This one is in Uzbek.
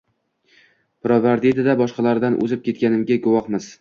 pirovardida boshqalardan o‘zib ketganiga guvohmiz.